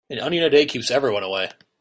An onion a day keeps everyone away.